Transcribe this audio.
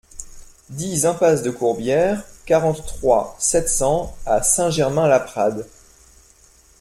dix impasse de Courbières, quarante-trois, sept cents à Saint-Germain-Laprade